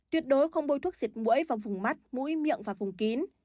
tuyệt đối không bôi thuốc diệt mũi vào vùng mắt mũi miệng và vùng kín